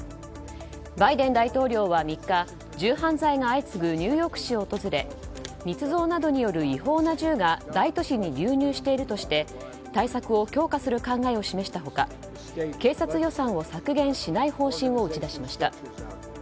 バイデン大統領は３日銃犯罪が相次ぐニューヨーク市を訪れ密造などによる違法な銃が大都市に流入しているとして対策を強化する考えを示した他警察予算を削減しない方針を打ち出しました。